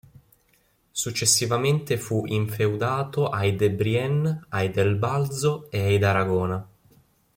Successivamente fu infeudato ai De Brienne, ai Del Balzo e ai D'Aragona.